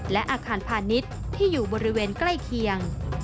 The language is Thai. และอาคารพาณิชย์ที่อยู่บริเวณใกล้เคียง